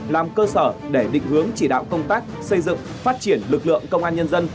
làm cơ sở để định hướng chỉ đạo công tác xây dựng phát triển lực lượng công an nhân dân